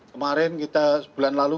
kemarin kita bulan lalu